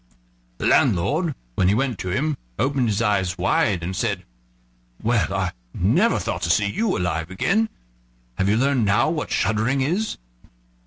The landlord, when he went to him, opened his eyes wide, and said: "Well, I never thought to see you alive again. Have you learned now what shuddering is?"